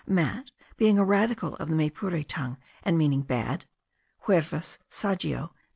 mat being a radical of the Maypure tongue, and meaning bad (Hervas, Saggio N.